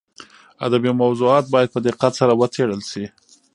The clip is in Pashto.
ادبي موضوعات باید په دقت سره وڅېړل شي.